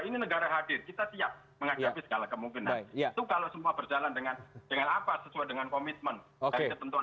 sesuai dengan komitmen dari ketentuan ketentuan yang berlaku